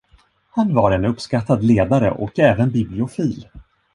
Han var en uppskattad ledare och även bibliofil.